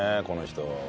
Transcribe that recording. この人。